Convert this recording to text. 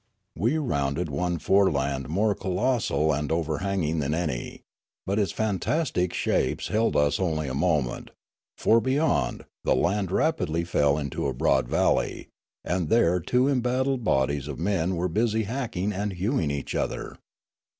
We rounded one foreland more colossal and over hanging than any ; but its fantastic shapes held us only a moment, for beyond, the land rapidly fell into a broad valley, and there two embattled bodies of men were busy hacking and hewing each other.